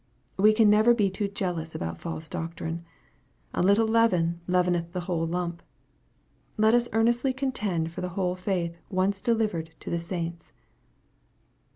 We can never be too jealous about false doctrine. A little leaven leaveueth the whole lump. Let us earnestly contend for the whole faith once delivered to the saints.